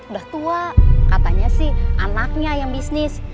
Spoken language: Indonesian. udah tua katanya sih anaknya yang bisnis